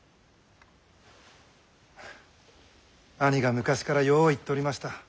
兄が昔からよう言っとりました。